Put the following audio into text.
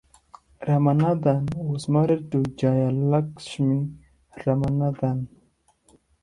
Ramanathan was married to Jayalakshmi Ramanathan.